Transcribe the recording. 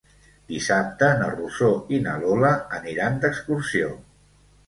Dissabte na Rosó i na Lola aniran d'excursió.